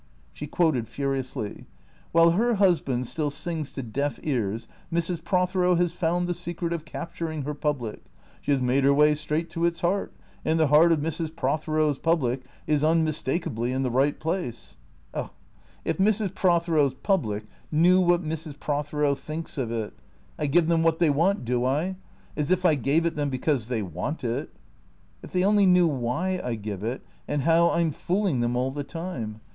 She quoted furiously, "' While her husband still sings to deaf ears, Mrs. Prothero has found the secret of capturing her public. She has made her way straight to its heart. And the heart of Mrs. Prothero's public is unmistakably in the right place.' Oh — if Mrs. Prothero's public knew what Mrs. Prothero thinks of it. I give them what they want, do I ? As if I gave it them because they want it. If they only knew why I give it, and how I 'm fooling them all the time!